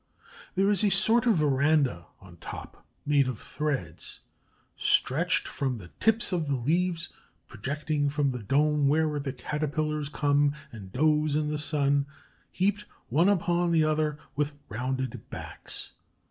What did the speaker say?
There is a sort of veranda on top made of threads stretched from the tips of the leaves projecting from the dome, where the Caterpillars come and doze in the sun, heaped one upon the other, with rounded backs.